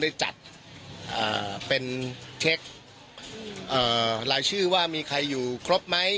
ได้จัดเป็นเช็ครายชื่อว่ามีใครอยู่ครบไหม